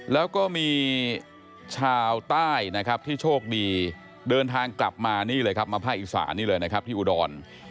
แล้วก็มีชาวใต้นะครับที่โชคดีเดินทางกลับมานี่เลยครับมาภาคอีสานนี่เลยนะครับที่อุดร